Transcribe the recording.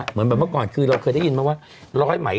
เหมือนแบบเมื่อก่อนคือเราเคยได้ยินมาว่าร้อยไหม